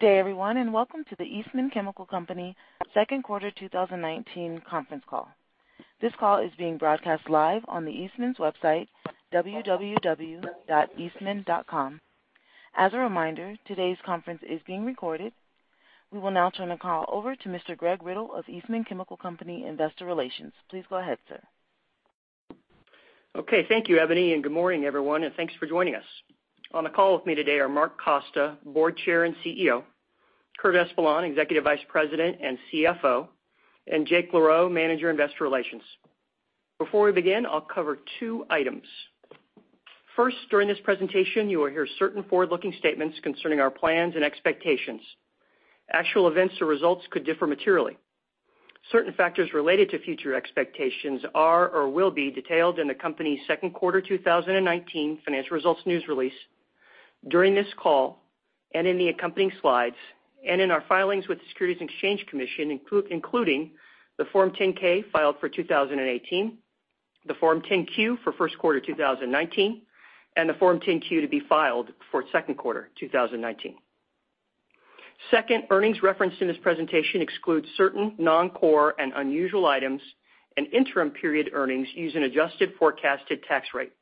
Good day, everyone, welcome to the Eastman Chemical Company second quarter 2019 conference call. This call is being broadcast live on the Eastman's website, www.eastman.com. As a reminder, today's conference is being recorded. We will now turn the call over to Mr. Greg Riddle of Eastman Chemical Company, Investor Relations. Please go ahead, sir. Okay. Thank you, Ebony, good morning, everyone, and thanks for joining us. On the call with me today are Mark Costa, Board Chair and CEO, Curtis Espeland, Executive Vice President and CFO, and Jake LaRoe, Manager, Investor Relations. Before we begin, I'll cover two items. First, during this presentation, you will hear certain forward-looking statements concerning our plans and expectations. Actual events or results could differ materially. Certain factors related to future expectations are, or will be, detailed in the company's second quarter 2019 financial results news release, during this call, and in the accompanying slides, and in our filings with the Securities and Exchange Commission including the Form 10-K filed for 2018, the Form 10-Q for first quarter 2019, and the Form 10-Q to be filed for second quarter 2019. Earnings referenced in this presentation exclude certain non-core and unusual items and interim period earnings using adjusted forecasted tax rate.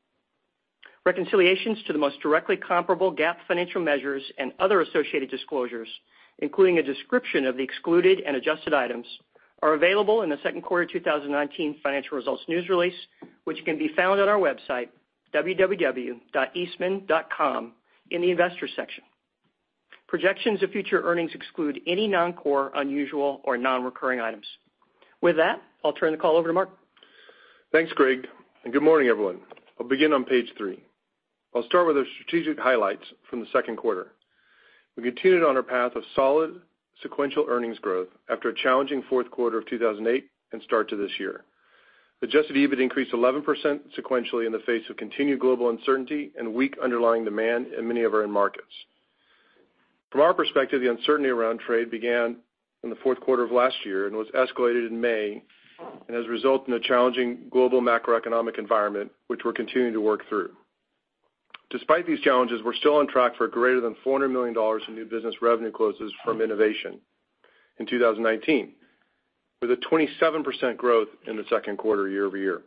Reconciliations to the most directly comparable GAAP financial measures and other associated disclosures, including a description of the excluded and adjusted items, are available in the second quarter 2019 financial results news release, which can be found on our website, www.eastman.com, in the investor section. Projections of future earnings exclude any non-core, unusual, or non-recurring items. With that, I'll turn the call over to Mark. Thanks, Greg, and good morning, everyone. I'll begin on page three. I'll start with the strategic highlights from the second quarter. We continued on our path of solid sequential earnings growth after a challenging fourth quarter of 2018, and start to this year. Adjusted EBIT increased 11% sequentially in the face of continued global uncertainty and weak underlying demand in many of our end markets. From our perspective, the uncertainty around trade began in the fourth quarter of last year and was escalated in May, and has resulted in a challenging global macroeconomic environment, which we're continuing to work through. Despite these challenges, we're still on track for greater than $400 million in new business revenue closes from innovation in 2019. With a 27% growth in the second quarter year-over-year.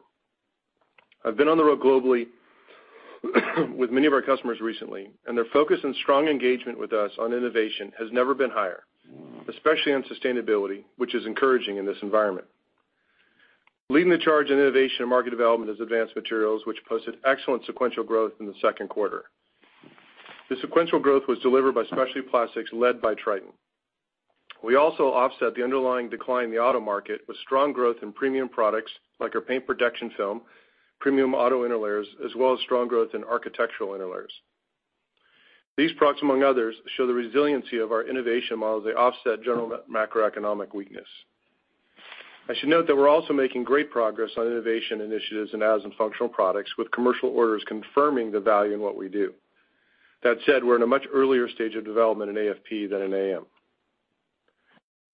I've been on the road globally with many of our customers recently, and their focus and strong engagement with us on innovation has never been higher, especially on sustainability, which is encouraging in this environment. Leading the charge in innovation and market development is Advanced Materials, which posted excellent sequential growth in the second quarter. The sequential growth was delivered by specialty plastics led by Tritan. We also offset the underlying decline in the auto market with strong growth in premium products like our paint protection film, premium auto interlayers, as well as strong growth in architectural interlayers. These products, among others, show the resiliency of our innovation model as they offset general macroeconomic weakness. I should note that we're also making great progress on innovation initiatives in Additives & Functional Products with commercial orders confirming the value in what we do. That said, we're in a much earlier stage of development in AFP than in AM.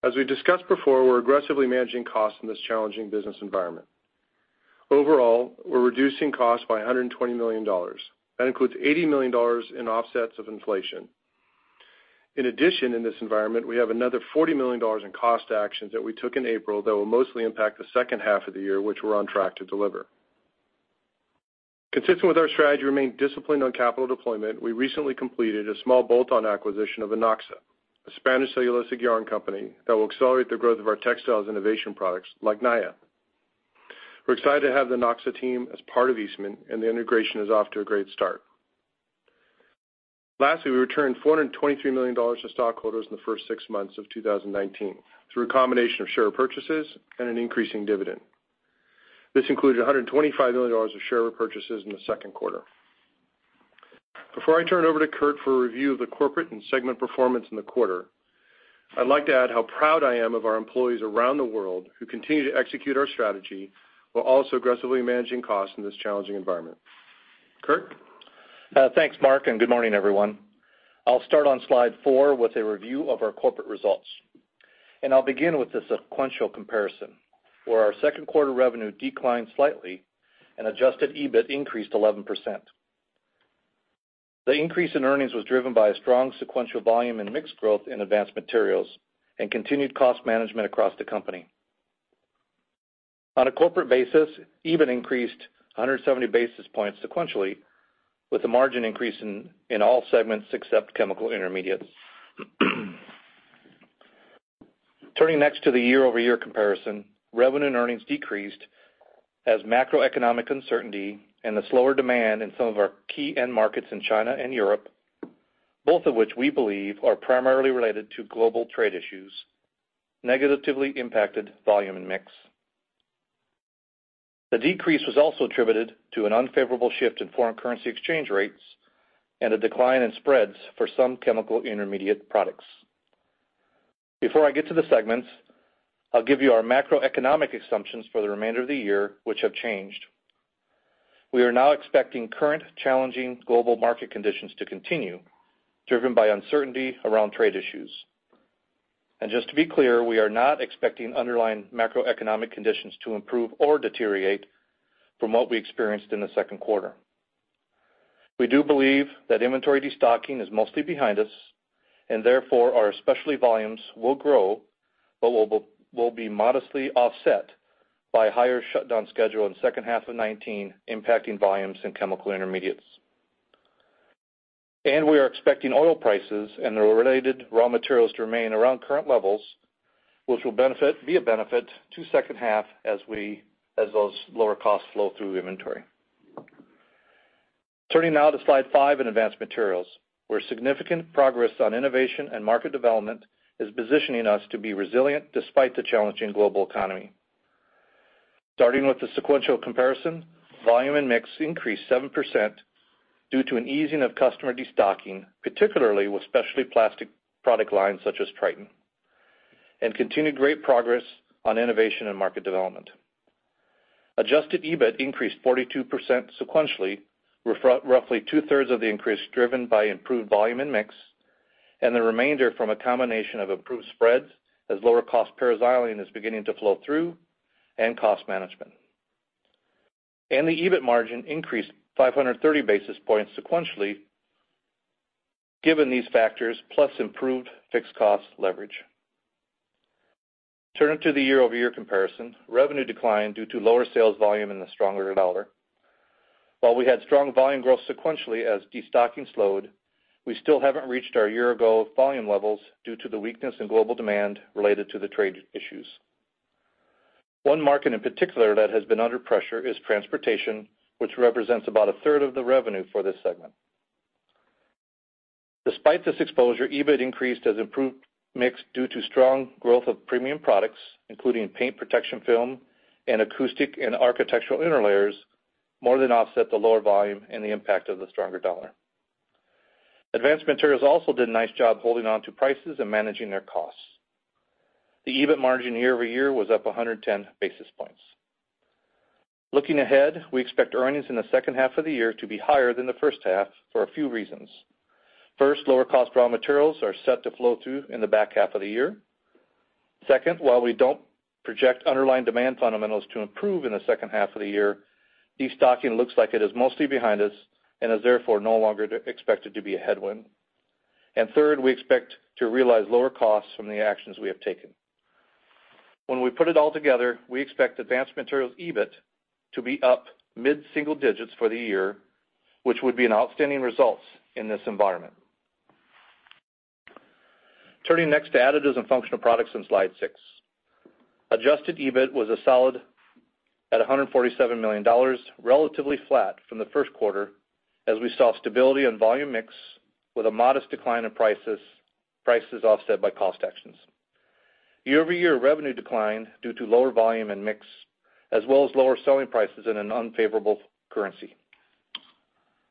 As we discussed before, we're aggressively managing costs in this challenging business environment. Overall, we're reducing costs by $120 million. That includes $80 million in offsets of inflation. In addition, in this environment, we have another $40 million in cost actions that we took in April that will mostly impact the second half of the year, which we're on track to deliver. Consistent with our strategy to remain disciplined on capital deployment, we recently completed a small bolt-on acquisition of INACSA, a Spanish cellulosic yarn company that will accelerate the growth of our textiles innovation products like Naia. We're excited to have the INACSA team as part of Eastman, and the integration is off to a great start. Lastly, we returned $423 million to stockholders in the first six months of 2019 through a combination of share purchases and an increasing dividend. This includes $125 million of share repurchases in the second quarter. Before I turn it over to Curt for a review of the corporate and segment performance in the quarter, I'd like to add how proud I am of our employees around the world who continue to execute our strategy while also aggressively managing costs in this challenging environment. Curt? Thanks, Mark, good morning, everyone. I'll start on slide four with a review of our corporate results. I'll begin with the sequential comparison where our second quarter revenue declined slightly and adjusted EBIT increased 11%. The increase in earnings was driven by a strong sequential volume and mix growth in Advanced Materials and continued cost management across the company. On a corporate basis, EBIT increased 170 basis points sequentially with the margin increase in all segments except Chemical Intermediates. Turning next to the year-over-year comparison, revenue and earnings decreased as macroeconomic uncertainty and the slower demand in some of our key end markets in China and Europe, both of which we believe are primarily related to global trade issues, negatively impacted volume and mix. The decrease was also attributed to an unfavorable shift in foreign currency exchange rates and a decline in spreads for some chemical intermediate products. Before I get to the segments, I'll give you our macroeconomic assumptions for the remainder of the year, which have changed. We are now expecting current challenging global market conditions to continue, driven by uncertainty around trade issues. Just to be clear, we are not expecting underlying macroeconomic conditions to improve or deteriorate from what we experienced in the second quarter. We do believe that inventory destocking is mostly behind us, and therefore, our specialty volumes will grow, but will be modestly offset by a higher shutdown schedule in the second half of 2019, impacting volumes in Chemical Intermediates. We are expecting oil prices and the related raw materials to remain around current levels, which will be a benefit to second half as those lower costs flow through inventory. Turning now to slide five in Advanced Materials, where significant progress on innovation and market development is positioning us to be resilient despite the challenging global economy. Starting with the sequential comparison, volume and mix increased 7% due to an easing of customer destocking, particularly with specialty plastics product lines such as Tritan, and continued great progress on innovation and market development. Adjusted EBIT increased 42% sequentially, roughly 2/3 of the increase driven by improved volume and mix, and the remainder from a combination of improved spreads as lower cost paraxylene is beginning to flow through, and cost management. The EBIT margin increased 530 basis points sequentially given these factors, plus improved fixed cost leverage. Turning to the year-over-year comparison. Revenue declined due to lower sales volume and the stronger dollar. While we had strong volume growth sequentially as destocking slowed, we still haven't reached our year-ago volume levels due to the weakness in global demand related to the trade issues. One market in particular that has been under pressure is transportation, which represents about 1/3 of the revenue for this segment. Despite this exposure, EBIT increased as improved mix due to strong growth of premium products, including paint protection film and acoustic and architectural interlayers more than offset the lower volume and the impact of the stronger dollar. Advanced Materials also did a nice job holding on to prices and managing their costs. The EBIT margin year-over-year was up 110 basis points. Looking ahead, we expect earnings in the second half of the year to be higher than the first half for a few reasons. First, lower cost raw materials are set to flow through in the back half of the year. Second, while we don't project underlying demand fundamentals to improve in the second half of the year, destocking looks like it is mostly behind us and is therefore no longer expected to be a headwind. Third, we expect to realize lower costs from the actions we have taken. When we put it all together, we expect Advanced Materials EBIT to be up mid-single digits for the year, which would be an outstanding result in this environment. Turning next to Additives & Functional Products on slide six. Adjusted EBIT was a solid at $147 million, relatively flat from the first quarter as we saw stability on volume mix with a modest decline in prices offset by cost actions. Year-over-year revenue declined due to lower volume and mix, as well as lower selling prices in an unfavorable currency.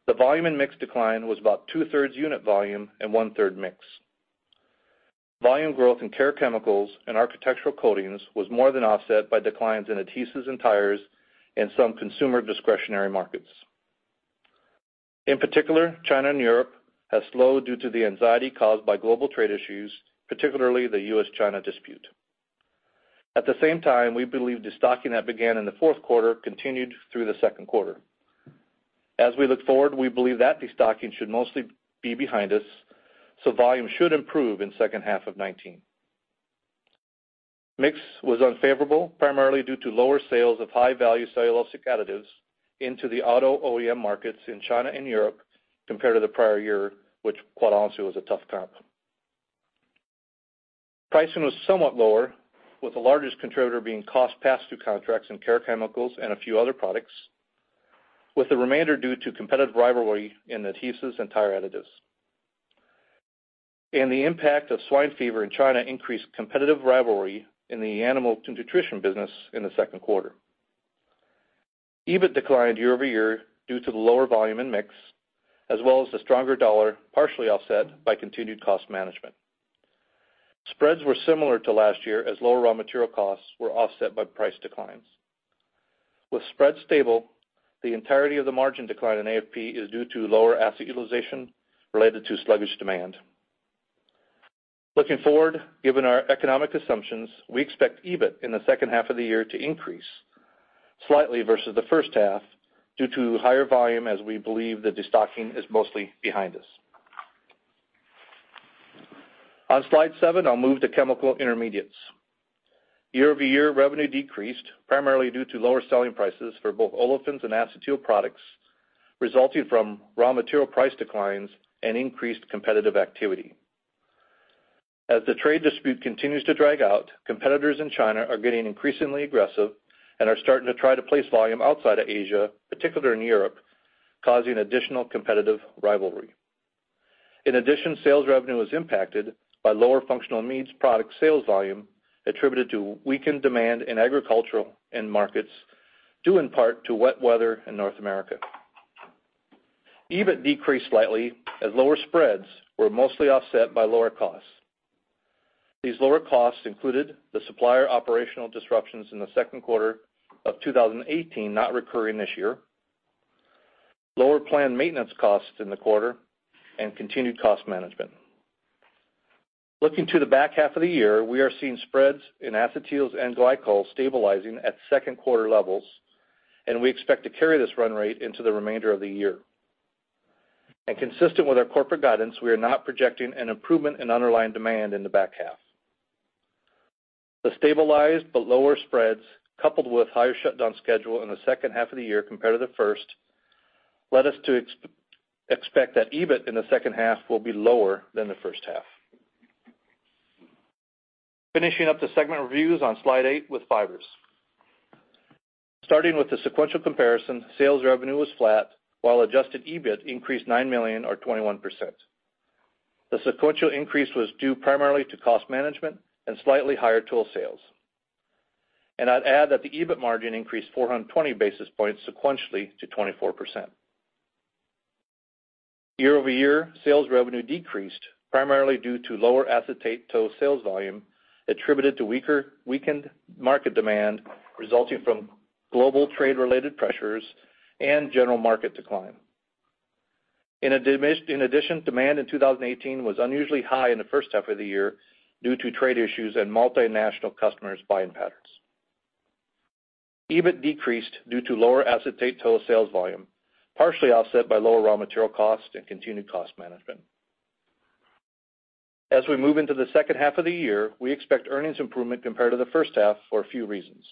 The volume and mix decline was about 2/3 unit volume and 1/3 mix. Volume growth in care chemicals and architectural coatings was more than offset by declines in adhesives and tires in some consumer discretionary markets. In particular, China and Europe have slowed due to the anxiety caused by global trade issues, particularly the U.S.-China dispute. At the same time, we believe destocking that began in the fourth quarter continued through the second quarter. As we look forward, we believe that destocking should mostly be behind us, so volume should improve in second half of 2019. Mix was unfavorable, primarily due to lower sales of high-value cellulosic additives into the auto OEM markets in China and Europe compared to the prior year, which quite honestly was a tough comp. Pricing was somewhat lower, with the largest contributor being cost pass-through contracts in care chemicals and a few other products, with the remainder due to competitive rivalry in adhesives and tire additives. The impact of swine fever in China increased competitive rivalry in the animal nutrition business in the second quarter. EBIT declined year-over-year due to the lower volume and mix, as well as the stronger dollar, partially offset by continued cost management. Spreads were similar to last year as lower raw material costs were offset by price declines. With spreads stable, the entirety of the margin decline in AFP is due to lower asset utilization related to sluggish demand. Looking forward, given our economic assumptions, we expect EBIT in the second half of the year to increase slightly versus the first half due to higher volume as we believe the destocking is mostly behind us. On slide seven, I'll move to Chemical Intermediates. Year-over-year revenue decreased primarily due to lower selling prices for both olefins and acetyl products, resulting from raw material price declines and increased competitive activity. As the trade dispute continues to drag out, competitors in China are getting increasingly aggressive and are starting to try to place volume outside of Asia, particularly in Europe, causing additional competitive rivalry. In addition, sales revenue was impacted by lower functional amines product sales volume attributed to weakened demand in agricultural end markets, due in part to wet weather in North America. EBIT decreased slightly as lower spreads were mostly offset by lower costs. These lower costs included the supplier operational disruptions in the second quarter of 2018 not recurring this year. Lower planned maintenance costs in the quarter and continued cost management. Looking to the back half of the year, we are seeing spreads in acetyls and glycols stabilizing at second quarter levels. We expect to carry this run rate into the remainder of the year. Consistent with our corporate guidance, we are not projecting an improvement in underlying demand in the back half. The stabilized but lower spreads, coupled with higher shutdown schedule in the second half of the year compared to the first, led us to expect that EBIT in the second half will be lower than the first half. Finishing up the segment reviews on Slide eight with Fibers. Starting with the sequential comparison, sales revenue was flat while adjusted EBIT increased $9 million or 21%. The sequential increase was due primarily to cost management and slightly higher tow sales. I'd add that the EBIT margin increased 420 basis points sequentially to 24%. Year-over-year, sales revenue decreased, primarily due to lower acetate tow sales volume attributed to weakened market demand resulting from global trade-related pressures and general market decline. In addition, demand in 2018 was unusually high in the first half of the year due to trade issues and multinational customers' buying patterns. EBIT decreased due to lower acetate tow sales volume, partially offset by lower raw material cost and continued cost management. As we move into the second half of the year, we expect earnings improvement compared to the first half for a few reasons.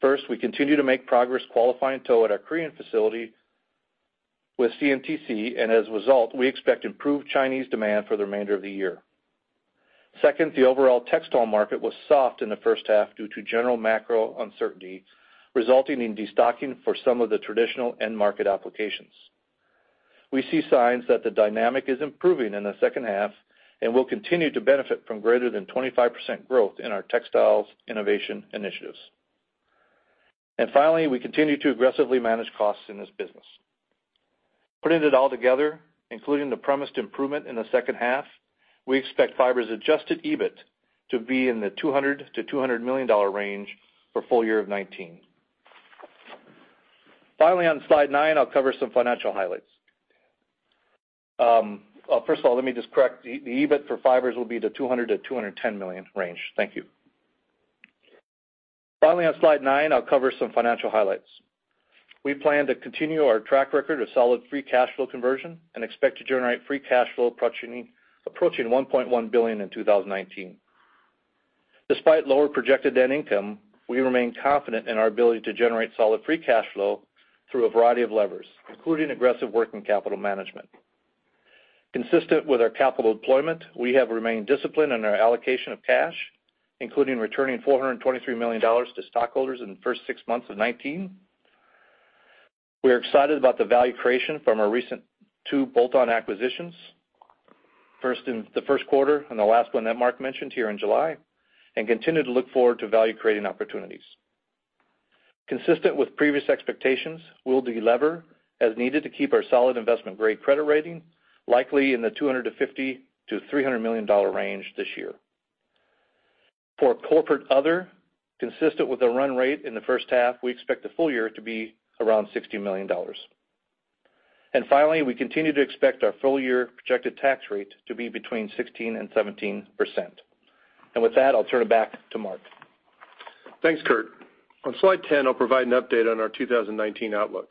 First, we continue to make progress qualifying tow at our Korean facility with CNTC, and as a result, we expect improved Chinese demand for the remainder of the year. The overall textile market was soft in the first half due to general macro uncertainty, resulting in destocking for some of the traditional end-market applications. We see signs that the dynamic is improving in the second half and will continue to benefit from greater than 25% growth in our textiles innovation initiatives. Finally, we continue to aggressively manage costs in this business. Putting it all together, including the promised improvement in the second half, we expect Fibers adjusted EBIT to be in the $200 million-$210 million range for full year of 2019. Finally, on Slide nine, I'll cover some financial highlights. First of all, let me just correct. The EBIT for Fibers will be the $200 million-$210 million range. Thank you. Finally, on Slide nine, I'll cover some financial highlights. We plan to continue our track record of solid free cash flow conversion and expect to generate free cash flow approaching $1.1 billion in 2019. Despite lower projected net income, we remain confident in our ability to generate solid free cash flow through a variety of levers, including aggressive working capital management. Consistent with our capital deployment, we have remained disciplined in our allocation of cash, including returning $423 million to stockholders in the first six months of 2019. We are excited about the value creation from our recent two bolt-on acquisitions, the first quarter and the last one that Mark mentioned here in July. Continue to look forward to value creating opportunities. Consistent with previous expectations, we'll delever as needed to keep our solid investment-grade credit rating, likely in the $250 million-$300 million range this year. For corporate other, consistent with the run rate in the first half, we expect the full year to be around $60 million. Finally, we continue to expect our full-year projected tax rate to be between 16% and 17%. With that, I'll turn it back to Mark. Thanks, Curt. On Slide 10, I'll provide an update on our 2019 outlook.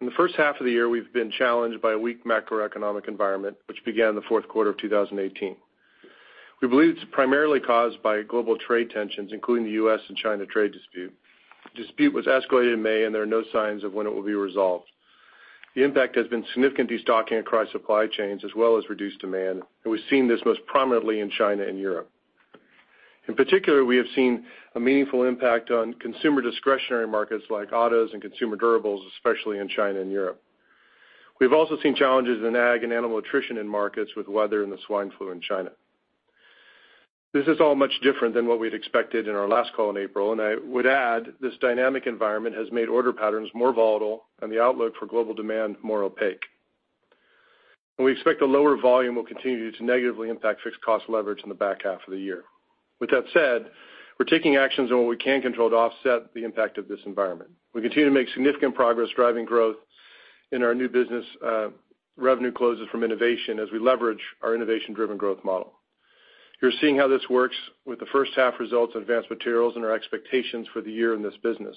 In the first half of the year, we've been challenged by a weak macroeconomic environment, which began in the fourth quarter of 2018. We believe it's primarily caused by global trade tensions, including the U.S. and China trade dispute. Dispute was escalated in May, and there are no signs of when it will be resolved. The impact has been significant destocking across supply chains as well as reduced demand, and we've seen this most prominently in China and Europe. In particular, we have seen a meaningful impact on consumer discretionary markets like autos and consumer durables, especially in China and Europe. We've also seen challenges in ag and animal nutrition in markets with weather and the swine fever in China. This is all much different than what we'd expected in our last call in April. I would add this dynamic environment has made order patterns more volatile and the outlook for global demand more opaque. We expect a lower volume will continue to negatively impact fixed cost leverage in the back half of the year. With that said, we're taking actions on what we can control to offset the impact of this environment. We continue to make significant progress driving growth in our new business revenue closes from innovation as we leverage our innovation-driven growth model. You're seeing how this works with the first half results in Advanced Materials and our expectations for the year in this business,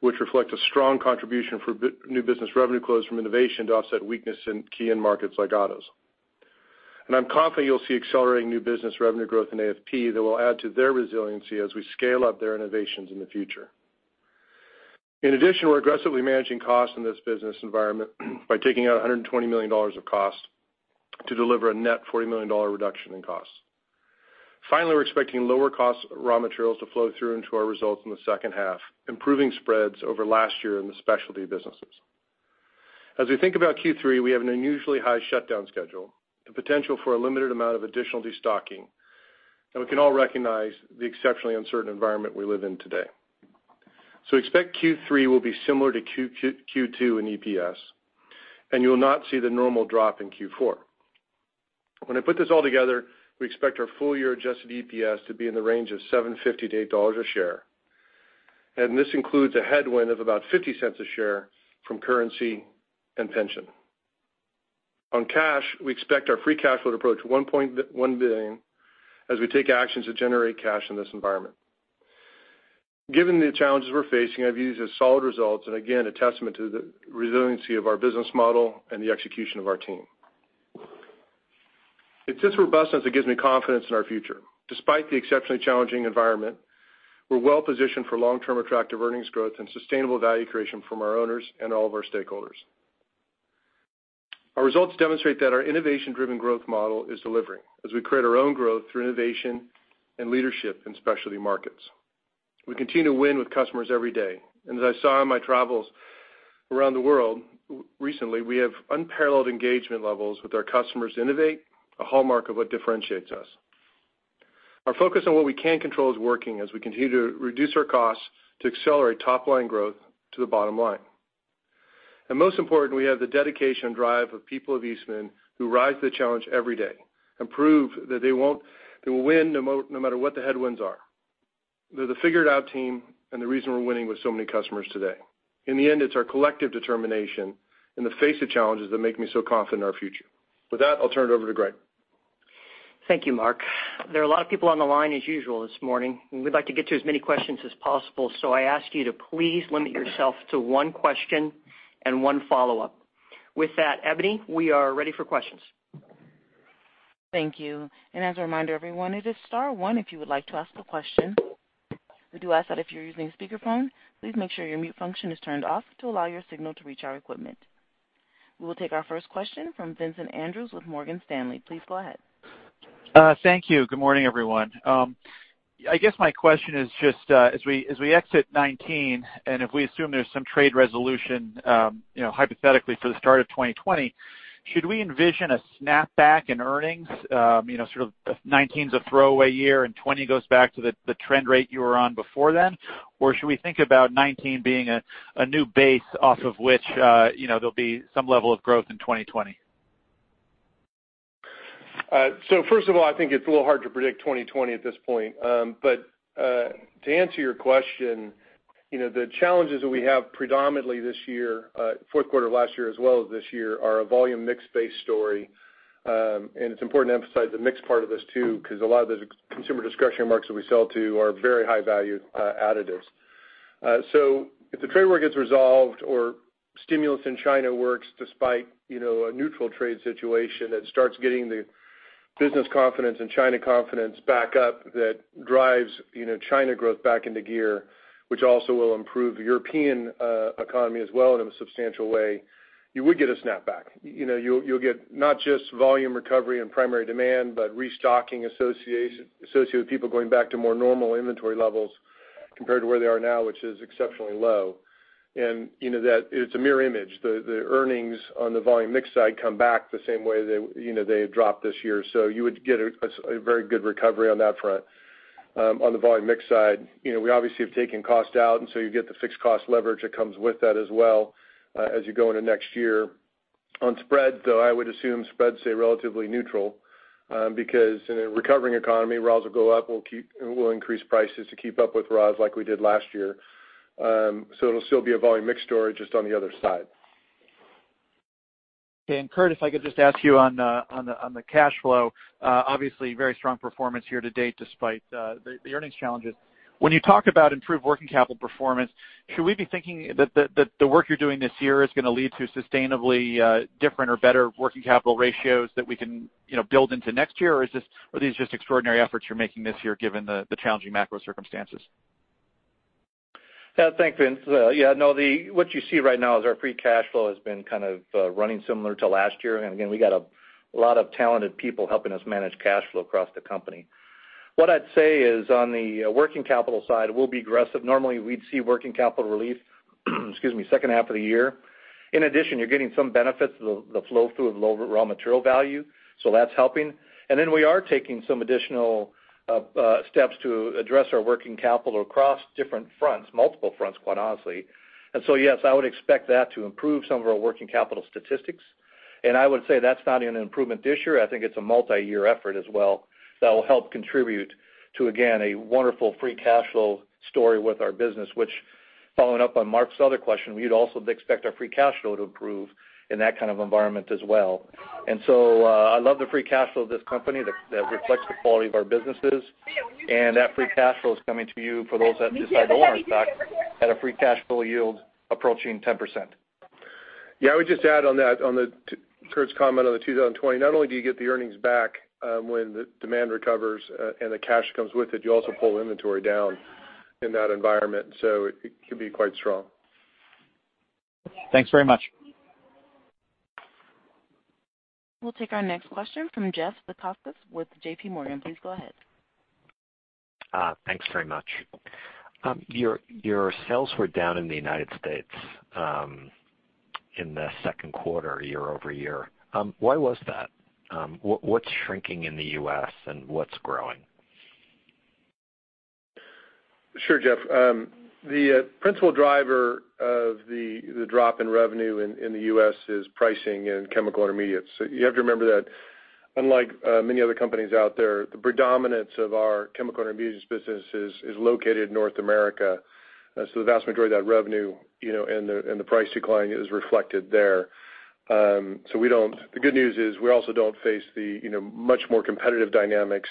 which reflect a strong contribution for new business revenue close from innovation to offset weakness in key end markets like autos. I'm confident you'll see accelerating new business revenue growth in AFP that will add to their resiliency as we scale up their innovations in the future. In addition, we're aggressively managing costs in this business environment by taking out $120 million of costs to deliver a net $40 million reduction in costs. Finally, we're expecting lower cost raw materials to flow through into our results in the second half, improving spreads over last year in the specialty businesses. As we think about Q3, we have an unusually high shutdown schedule, the potential for a limited amount of additional destocking, and we can all recognize the exceptionally uncertain environment we live in today. Expect Q3 will be similar to Q2 in EPS, and you'll not see the normal drop in Q4. When I put this all together, we expect our full year adjusted EPS to be in the range of $7.50-$8 a share. This includes a headwind of about $0.50 a share from currency and pension. On cash, we expect our free cash flow to approach $1.1 billion as we take actions to generate cash in this environment. Given the challenges we're facing, I view these as solid results and, again, a testament to the resiliency of our business model and the execution of our team. It's this robustness that gives me confidence in our future. Despite the exceptionally challenging environment, we're well positioned for long-term attractive earnings growth and sustainable value creation from our owners and all of our stakeholders. Our results demonstrate that our innovation-driven growth model is delivering as we create our own growth through innovation and leadership in specialty markets. We continue to win with customers every day. As I saw on my travels around the world recently, we have unparalleled engagement levels with our customers to innovate, a hallmark of what differentiates us. Our focus on what we can control is working as we continue to reduce our costs to accelerate top-line growth to the bottom line. Most important, we have the dedication and drive of people of Eastman who rise to the challenge every day and prove that they will win no matter what the headwinds are. They're the figured out team and the reason we're winning with so many customers today. In the end, it's our collective determination in the face of challenges that make me so confident in our future. With that, I'll turn it over to Greg. Thank you, Mark. There are a lot of people on the line as usual this morning, and we'd like to get to as many questions as possible, so I ask you to please limit yourself to one question and one follow-up. With that, Ebony, we are ready for questions. Thank you. As a reminder, everyone, it is star one if you would like to ask a question. We do ask that if you're using a speakerphone, please make sure your mute function is turned off to allow your signal to reach our equipment. We will take our first question from Vincent Andrews with Morgan Stanley. Please go ahead. Thank you. Good morning, everyone. I guess my question is just as we exit 2019, and if we assume there's some trade resolution hypothetically for the start of 2020, should we envision a snap back in earnings, sort of 2019's a throwaway year and 2020 goes back to the trend rate you were on before then? Should we think about 2019 being a new base off of which there'll be some level of growth in 2020? First of all, I think it's a little hard to predict 2020 at this point. To answer your question, the challenges that we have predominantly this year, fourth quarter last year as well as this year, are a volume mix based story. It's important to emphasize the mix part of this too, because a lot of those consumer discretionary markets that we sell to are very high value additives. If the trade war gets resolved or stimulus in China works despite a neutral trade situation that starts getting the business confidence and China confidence back up, that drives China growth back into gear, which also will improve the European economy as well in a substantial way, you would get a snapback. You'll get not just volume recovery and primary demand, but restocking associated with people going back to more normal inventory levels compared to where they are now, which is exceptionally low. It's a mirror image. The earnings on the volume mix side come back the same way they had dropped this year. You would get a very good recovery on that front. On the volume mix side, we obviously have taken cost out, and so you get the fixed cost leverage that comes with that as well as you go into next year. On spread, though, I would assume spreads stay relatively neutral because in a recovering economy, raws will go up. We'll increase prices to keep up with raws like we did last year. It'll still be a volume mix story, just on the other side. Okay. Curtis, if I could just ask you on the cash flow, obviously very strong performance here to date despite the earnings challenges. When you talk about improved working capital performance, should we be thinking that the work you're doing this year is going to lead to sustainably different or better working capital ratios that we can build into next year? Or are these just extraordinary efforts you're making this year given the challenging macro circumstances? Thanks, Vincent. What you see right now is our free cash flow has been kind of running similar to last year. Again, we got a lot of talented people helping us manage cash flow across the company. What I'd say is on the working capital side, we'll be aggressive. Normally, we'd see working capital relief, excuse me, second half of the year. In addition, you're getting some benefits of the flow through of lower raw material value, so that's helping. We are taking some additional steps to address our working capital across different fronts, multiple fronts, quite honestly. Yes, I would expect that to improve some of our working capital statistics. I would say that's not even an improvement this year. I think it's a multi-year effort as well that will help contribute to, again, a wonderful free cash flow story with our business, which following up on Mark's other question, we would also expect our free cash flow to improve in that kind of environment as well. I love the free cash flow of this company that reflects the quality of our businesses, and that free cash flow is coming to you, for those that decide to own stock, at a free cash flow yield approaching 10%. Yeah, I would just add on that, on Curt's comment on the 2020, not only do you get the earnings back when the demand recovers and the cash comes with it, you also pull inventory down in that environment. It could be quite strong. Thanks very much. We'll take our next question from Jeff Zekauskas with JPMorgan. Please go ahead. Thanks very much. Your sales were down in the United States in the second quarter, year-over-year. Why was that? What's shrinking in the U.S. and what's growing? Sure, Jeff. The principal driver of the drop in revenue in the U.S. is pricing and Chemical Intermediates. You have to remember that unlike many other companies out there, the predominance of our Chemical Intermediates business is located in North America. The vast majority of that revenue and the price decline is reflected there. The good news is we also don't face the much more competitive dynamics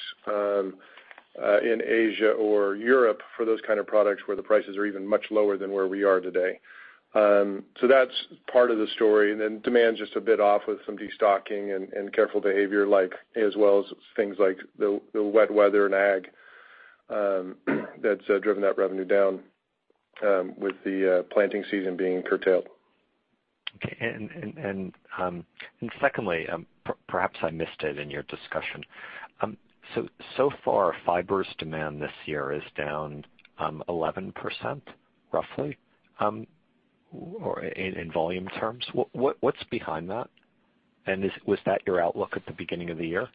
in Asia or Europe for those kind of products where the prices are even much lower than where we are today. That's part of the story, and then demand's just a bit off with some destocking and careful behavior, as well as things like the wet weather and ag, that's driven that revenue down with the planting season being curtailed. Okay. Secondly, perhaps I missed it in your discussion. So far, Fibers demand this year is down 11%, roughly, in volume terms. What's behind that? Was that your outlook at the beginning of the year?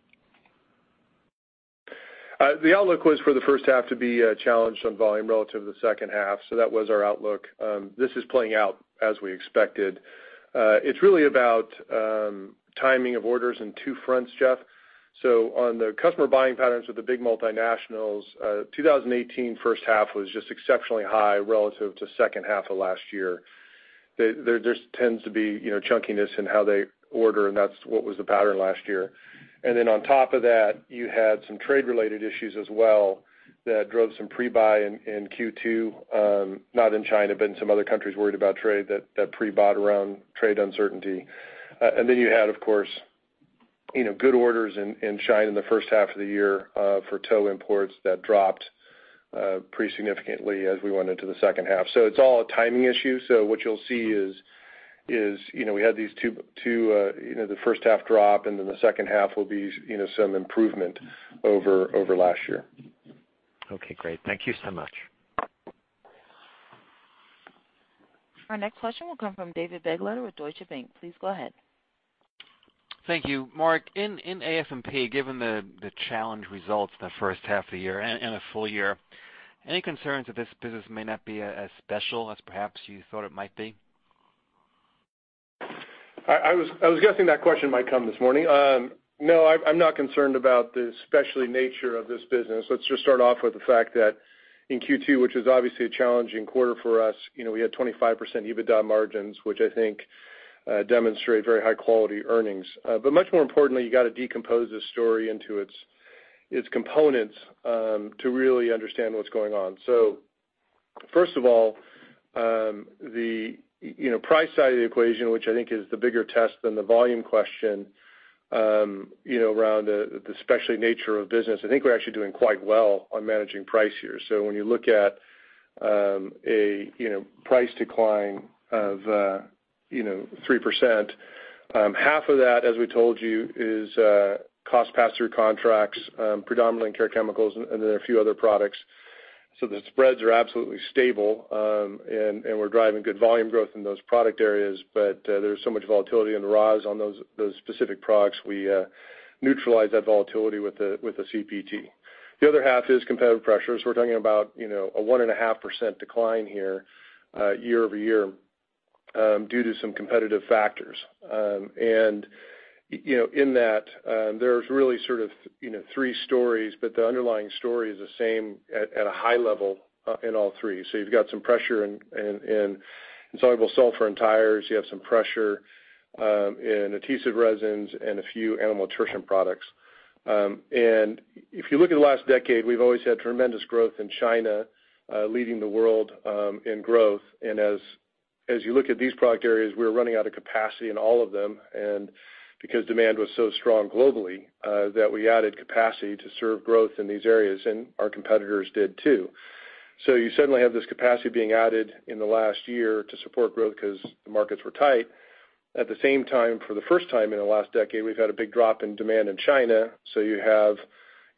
The outlook was for the first half to be challenged on volume relative to the second half, so that was our outlook. This is playing out as we expected. It's really about timing of orders on two fronts, Jeff. On the customer buying patterns with the big multinationals, 2018 first half was just exceptionally high relative to second half of last year. There tends to be chunkiness in how they order, and that's what was the pattern last year. On top of that, you had some trade-related issues as well that drove some pre-buy in Q2, not in China, but in some other countries worried about trade that pre-bought around trade uncertainty. You had, of course, good orders in China in the first half of the year for tow imports that dropped pretty significantly as we went into the second half. It's all a timing issue. What you'll see is we had the first half drop, and then the second half will be some improvement over last year. Okay, great. Thank you so much. Our next question will come from David Begleiter with Deutsche Bank. Please go ahead. Thank you. Mark, in AFP, given the challenged results in the first half of the year and the full year, any concerns that this business may not be as special as perhaps you thought it might be? I was guessing that question might come this morning. No, I'm not concerned about the specialty nature of this business. Let's just start off with the fact that in Q2, which is obviously a challenging quarter for us, we had 25% EBITDA margins, which I think demonstrate very high-quality earnings. Much more importantly, you got to decompose this story into its components to really understand what's going on. First of all, the price side of the equation, which I think is the bigger test than the volume question around the specialty nature of business, I think we're actually doing quite well on managing price here. When you look at a price decline of 3%, half of that, as we told you, is cost pass-through contracts, predominantly in care chemicals and then a few other products. The spreads are absolutely stable, and we're driving good volume growth in those product areas, but there's so much volatility in the raws on those specific products. We neutralize that volatility with a CPT. The other half is competitive pressures. We're talking about a 1.5% decline here year-over-year due to some competitive factors. In that, there's really sort of three stories, but the underlying story is the same at a high level in all three. You've got some pressure in insoluble sulfur in tires, you have some pressure in adhesive resins, and a few animal nutrition products. If you look at the last decade, we've always had tremendous growth in China, leading the world in growth. As you look at these product areas, we're running out of capacity in all of them, and because demand was so strong globally, that we added capacity to serve growth in these areas, and our competitors did too. You suddenly have this capacity being added in the last year to support growth because the markets were tight. At the same time, for the first time in the last decade, we've had a big drop in demand in China, so you have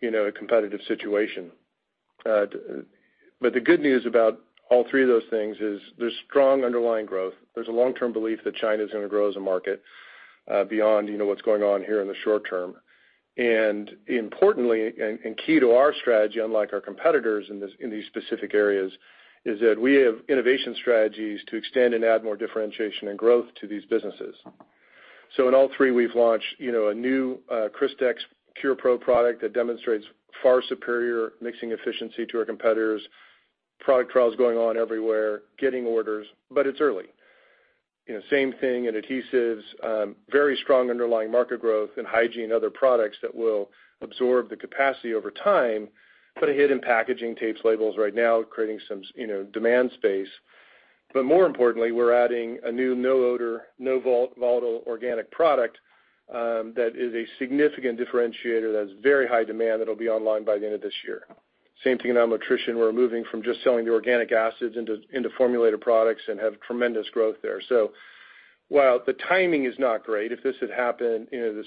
a competitive situation. The good news about all three of those things is there's strong underlying growth. There's a long-term belief that China is going to grow as a market beyond what's going on here in the short term. Importantly, and key to our strategy, unlike our competitors in these specific areas, is that we have innovation strategies to extend and add more differentiation and growth to these businesses. In all three, we've launched a new Crystex Cure Pro product that demonstrates far superior mixing efficiency to our competitors, product trials going on everywhere, getting orders, but it's early. Same thing in adhesives, very strong underlying market growth in hygiene, other products that will absorb the capacity over time, but a hit in packaging tapes labels right now, creating some demand space. More importantly, we're adding a new no odor, no volatile organic product that is a significant differentiator that has very high demand that'll be online by the end of this year. Same thing in our nutrition. We're moving from just selling the organic acids into formulated products and have tremendous growth there. While the timing is not great, if this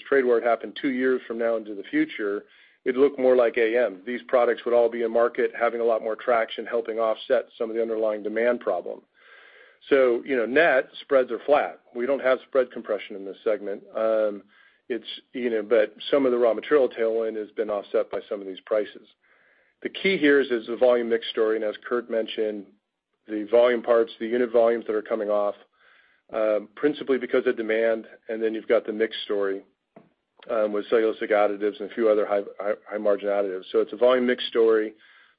trade war happened two years from now into the future, it'd look more like AM. These products would all be in market, having a lot more traction, helping offset some of the underlying demand problem. Net spreads are flat. We don't have spread compression in this segment. Some of the raw material tailwind has been offset by some of these prices. The key here is the volume mix story, and as Curtis mentioned, the volume parts, the unit volumes that are coming off, principally because of demand, and then you've got the mix story with cellulosic additives and a few other high margin additives. It's a volume mix story,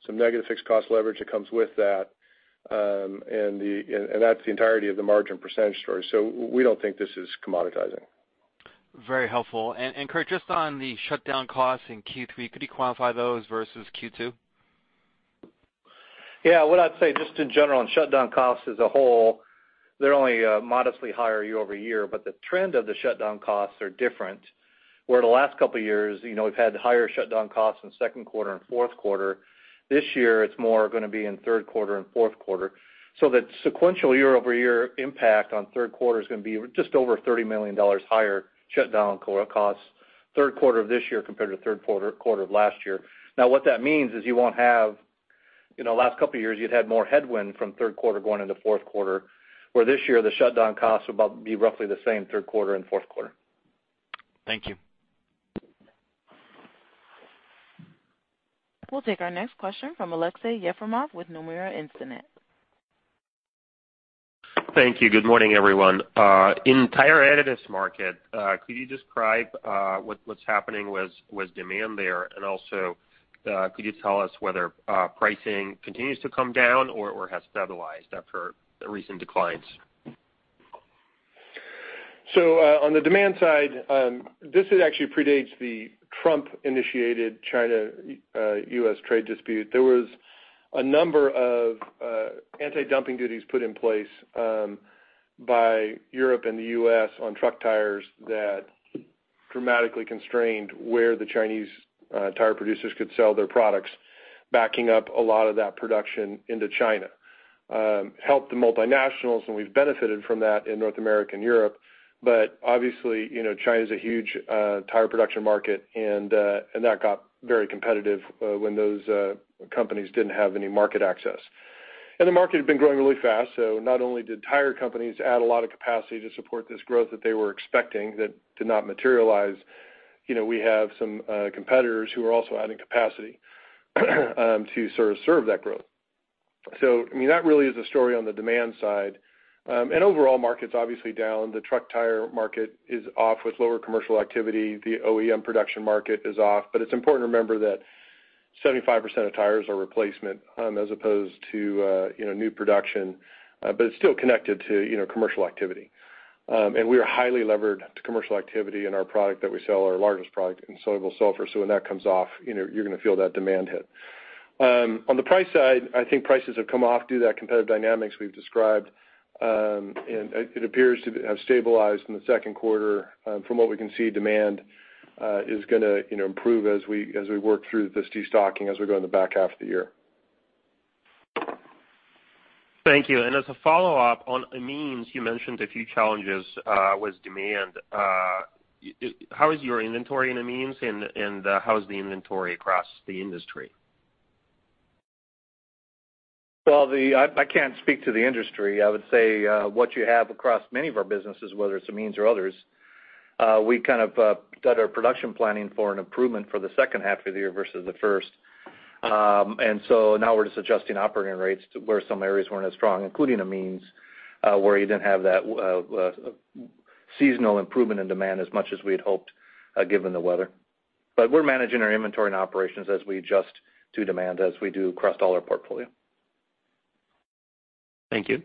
some negative fixed cost leverage that comes with that. That's the entirety of the margin percentage story. We don't think this is commoditizing. Very helpful. Curt, just on the shutdown costs in Q3, could you quantify those versus Q2? Yeah. What I'd say, just in general, on shutdown costs as a whole, they're only modestly higher year-over-year, but the trend of the shutdown costs are different, where the last couple of years, we've had higher shutdown costs in second quarter and fourth quarter. This year, it's more going to be in third quarter and fourth quarter. That sequential year-over-year impact on third quarter is going to be just over $30 million higher shutdown costs, third quarter of this year compared to third quarter of last year. Now, what that means is last couple of years, you'd had more headwind from third quarter going into fourth quarter, where this year, the shutdown costs will about be roughly the same third quarter and fourth quarter. Thank you. We'll take our next question from Aleksey Yefremov with Nomura Instinet. Thank you. Good morning, everyone. In tire additives market, could you describe what's happening with demand there? Also, could you tell us whether pricing continues to come down or has stabilized after the recent declines? On the demand side, this actually predates the Trump-initiated China-U.S. trade dispute. There was a number of anti-dumping duties put in place by Europe and the U.S. on truck tires that dramatically constrained where the Chinese tire producers could sell their products, backing up a lot of that production into China. Helped the multinationals, we've benefited from that in North America and Europe. Obviously, China's a huge tire production market, and that got very competitive when those companies didn't have any market access. The market had been growing really fast. Not only did tire companies add a lot of capacity to support this growth that they were expecting that did not materialize. We have some competitors who are also adding capacity to sort of serve that growth. That really is a story on the demand side. Overall market's obviously down. The truck tire market is off with lower commercial activity. The OEM production market is off. It's important to remember that 75% of tires are replacement as opposed to new production. It's still connected to commercial activity. We are highly levered to commercial activity in our product that we sell, our largest product insoluble sulfur. When that comes off, you're going to feel that demand hit. On the price side, I think prices have come off due to that competitive dynamics we've described. It appears to have stabilized in the second quarter. From what we can see, demand is going to improve as we work through this de-stocking as we go in the back half of the year. Thank you. As a follow-up on amines, you mentioned a few challenges with demand. How is your inventory in amines, and how is the inventory across the industry? Well, I can't speak to the industry. I would say, what you have across many of our businesses, whether it's amines or others, we kind of did our production planning for an improvement for the second half of the year versus the first. Now we're just adjusting operating rates to where some areas weren't as strong, including amines, where you didn't have that seasonal improvement in demand as much as we had hoped given the weather. We're managing our inventory and operations as we adjust to demand as we do across all our portfolio. Thank you.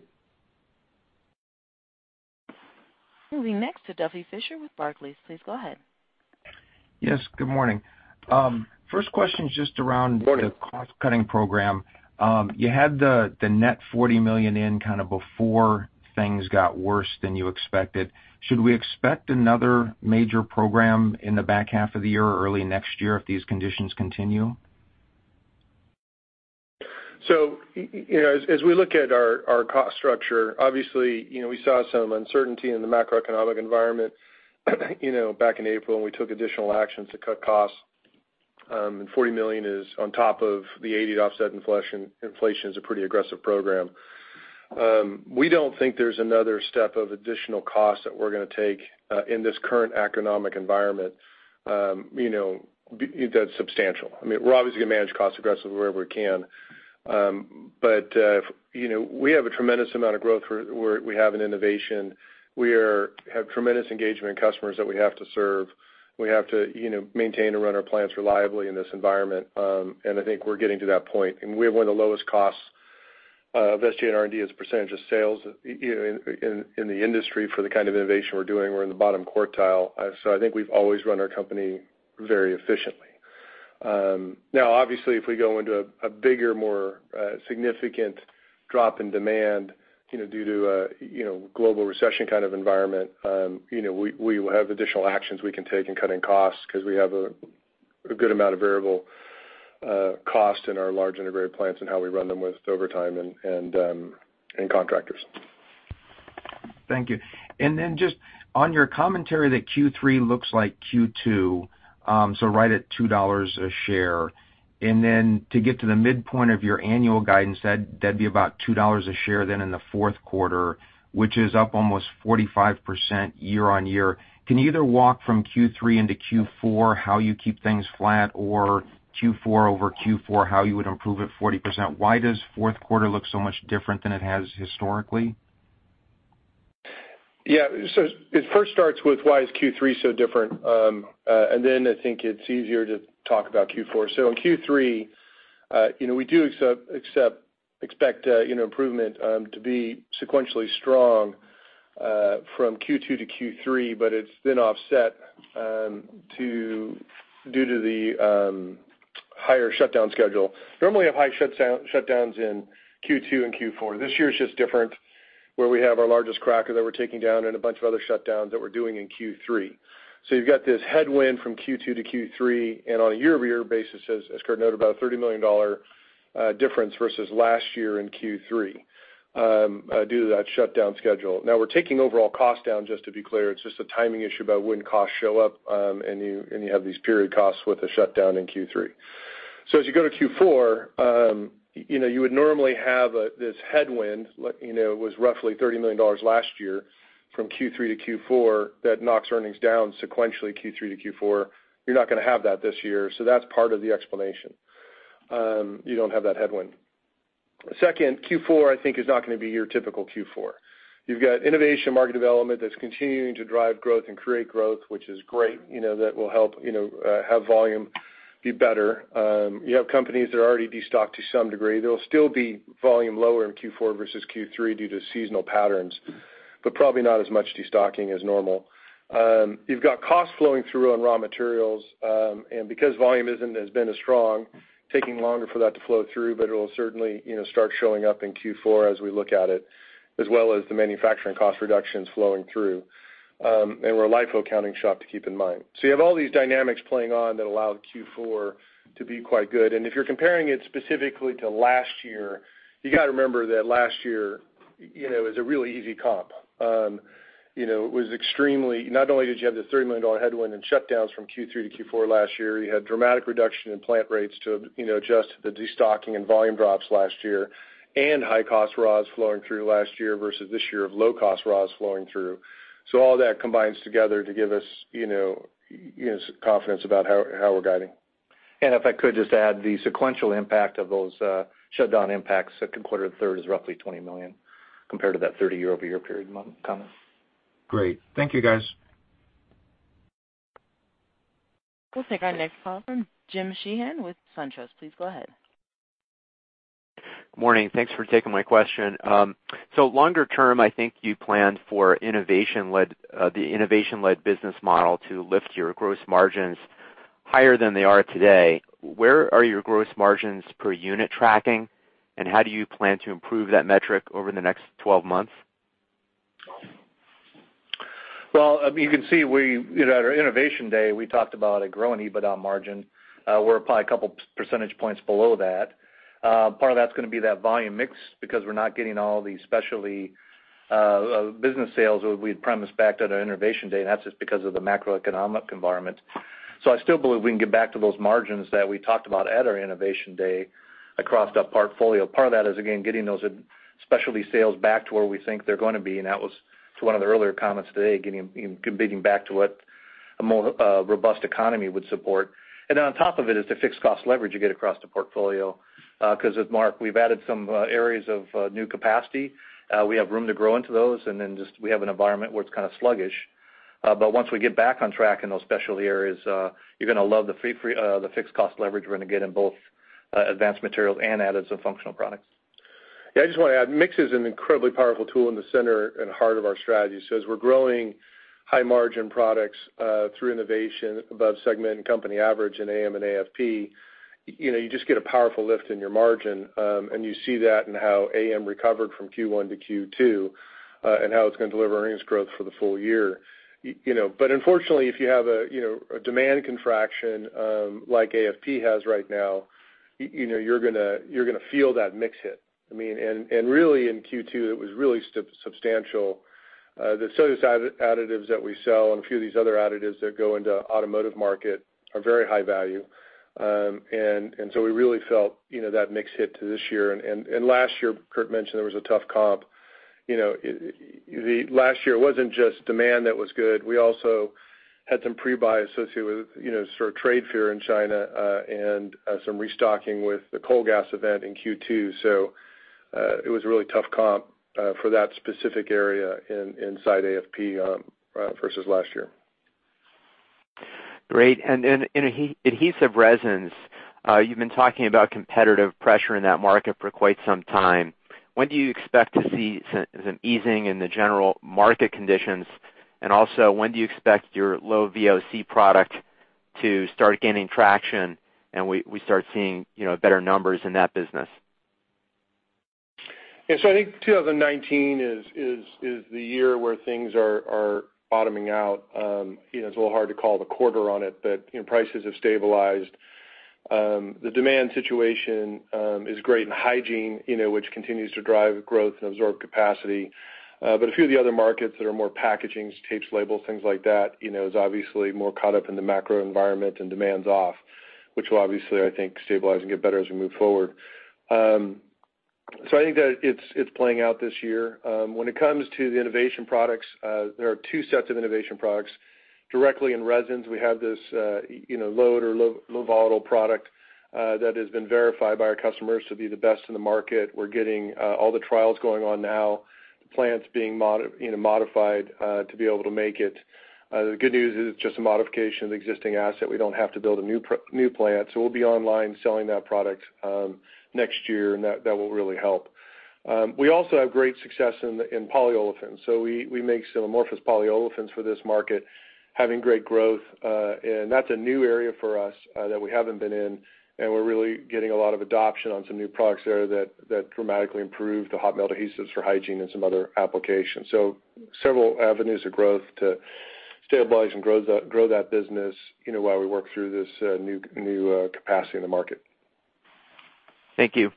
Moving next to Duffy Fischer with Barclays. Please go ahead. Yes, good morning. First question is just around. Morning. The cost cutting program. You had the net $40 million in kind of before things got worse than you expected. Should we expect another major program in the back half of the year or early next year if these conditions continue? As we look at our cost structure, obviously, we saw some uncertainty in the macroeconomic environment back in April, and we took additional actions to cut costs. $40 million is on top of the $80 to offset inflation is a pretty aggressive program. We don't think there's another step of additional costs that we're going to take in this current economic environment that's substantial. We're obviously going to manage costs aggressively wherever we can. We have a tremendous amount of growth where we have an innovation. We have tremendous engagement in customers that we have to serve. We have to maintain and run our plants reliably in this environment. I think we're getting to that point. We have one of the lowest costs of SG&A and R&D as a percentage of sales in the industry for the kind of innovation we're doing. We're in the bottom quartile. I think we've always run our company very efficiently. Obviously, if we go into a bigger, more significant drop in demand due to a global recession kind of environment, we will have additional actions we can take in cutting costs because we have a good amount of variable cost in our large integrated plants and how we run them with overtime and contractors. Thank you. Just on your commentary that Q3 looks like Q2, so right at $2 a share. To get to the midpoint of your annual guidance, that'd be about $2 a share then in the fourth quarter, which is up almost 45% year-on-year. Can you either walk from Q3 into Q4 how you keep things flat or Q4 over Q4, how you would improve it 40%? Why does fourth quarter look so much different than it has historically? Yeah. It first starts with why is Q3 so different? I think it's easier to talk about Q4. In Q3, we do expect improvement to be sequentially strong from Q2 to Q3, it's been offset due to the higher shutdown schedule. Normally, we have high shutdowns in Q2 and Q4. This year is just different, where we have our largest cracker that we're taking down and a bunch of other shutdowns that we're doing in Q3. You've got this headwind from Q2 to Q4, and on a year-over-year basis, as Curtis noted, about a $30 million difference versus last year in Q3 due to that shutdown schedule. Now we're taking overall cost down, just to be clear. It's just a timing issue about when costs show up, and you have these period costs with a shutdown in Q3. As you go to Q4, you would normally have this headwind. It was roughly $30 million last year from Q3 to Q4. That knocks earnings down sequentially Q3 to Q4. You're not going to have that this year. That's part of the explanation. You don't have that headwind. Second, Q4, I think, is not going to be your typical Q4. You've got innovation market development that's continuing to drive growth and create growth, which is great. That will help have volume be better. You have companies that are already de-stocked to some degree. There will still be volume lower in Q4 versus Q3 due to seasonal patterns, but probably not as much de-stocking as normal. You've got costs flowing through on raw materials, and because volume hasn't been as strong, taking longer for that to flow through, but it'll certainly start showing up in Q4 as we look at it, as well as the manufacturing cost reductions flowing through. We're a LIFO accounting shop to keep in mind. You have all these dynamics playing on that allow Q4 to be quite good. If you're comparing it specifically to last year, you got to remember that last year is a really easy comp. Not only did you have the $30 million headwind and shutdowns from Q3 to Q4 last year, you had dramatic reduction in plant rates to adjust to the de-stocking and volume drops last year, and high-cost raws flowing through last year versus this year of low-cost raws flowing through. All that combines together to give us confidence about how we're guiding. If I could just add, the sequential impact of those shutdown impacts, second quarter to third, is roughly $20 million compared to that 30 year-over-year period, Thomas. Great. Thank you, guys. We'll take our next call from Jim Sheehan with SunTrust. Please go ahead. Morning. Thanks for taking my question. Longer term, I think you planned for the innovation-led business model to lift your gross margins higher than they are today. Where are your gross margins per unit tracking, and how do you plan to improve that metric over the next 12 months? You can see at our Innovation Day, we talked about a growing EBITDA margin. We're probably a couple percentage points below that. Part of that's going to be that volume mix because we're not getting all the specialty business sales we had promised back at our Innovation Day, and that's just because of the macroeconomic environment. I still believe we can get back to those margins that we talked about at our Innovation Day across the portfolio. Part of that is, again, getting those specialty sales back to where we think they're going to be, and that was to one of the earlier comments today, competing back to what a more robust economy would support. On top of it is the fixed cost leverage you get across the portfolio. Because with Mark, we've added some areas of new capacity. We have room to grow into those, and then just we have an environment where it's kind of sluggish. But once we get back on track in those specialty areas, you're going to love the fixed cost leverage we're going to get in both Advanced Materials and Additives & Functional Products. I just want to add, mix is an incredibly powerful tool in the center and heart of our strategy. As we're growing high margin products through innovation above segment and company average in AM and AFP, you just get a powerful lift in your margin. You see that in how AM recovered from Q1 to Q2, and how it's going to deliver earnings growth for the full year. Unfortunately, if you have a demand contraction like AFP has right now, you're going to feel that mix hit. Really in Q2, it was really substantial. The cellulosic additives that we sell and a few of these other additives that go into automotive market are very high value. So we really felt that mix hit to this year. Last year, Curt mentioned there was a tough comp. Last year, it wasn't just demand that was good. We also had some pre-buy associated with sort of trade fear in China, and some restocking with the coal gasification incident in Q2. It was a really tough comp for that specific area inside AFP versus last year. Great. In adhesive resins, you've been talking about competitive pressure in that market for quite some time. When do you expect to see some easing in the general market conditions? Also, when do you expect your low VOC product to start gaining traction, and we start seeing better numbers in that business? Yeah. I think 2019 is the year where things are bottoming out. It's a little hard to call the quarter on it. Prices have stabilized. The demand situation is great in hygiene, which continues to drive growth and absorb capacity. A few of the other markets that are more packaging, tapes, labels, things like that, is obviously more caught up in the macro environment and demand's off, which will obviously, I think, stabilize and get better as we move forward. I think that it's playing out this year. When it comes to the innovation products, there are two sets of innovation products. Directly in resins, we have this low volatile product that has been verified by our customers to be the best in the market. We're getting all the trials going on now, plants being modified to be able to make it. The good news is it's just a modification of the existing asset. We don't have to build a new plant, so we'll be online selling that product next year, and that will really help. We also have great success in polyolefins. We make styrenic polyolefins for this market, having great growth. That's a new area for us that we haven't been in, and we're really getting a lot of adoption on some new products there that dramatically improve the hot melt adhesives for hygiene and some other applications. Several avenues of growth to stabilize and grow that business, while we work through this new capacity in the market. Thank you.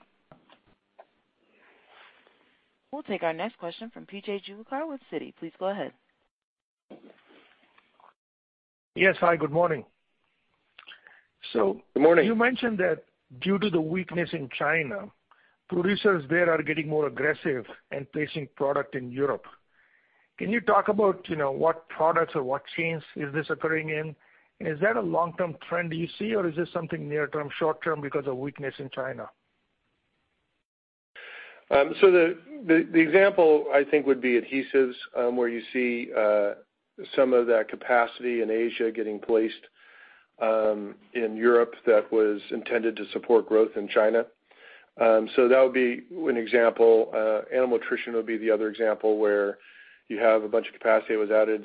We'll take our next question from P.J. Juvekar with Citi. Please go ahead. Yes. Hi, good morning. Good morning. You mentioned that due to the weakness in China, producers there are getting more aggressive and placing product in Europe. Can you talk about what products or what chains is this occurring in? Is that a long-term trend you see, or is this something near-term, short-term because of weakness in China? The example I think would be adhesives, where you see some of that capacity in Asia getting placed in Europe that was intended to support growth in China. That would be one example. Animal nutrition would be the other example, where you have a bunch of capacity that was added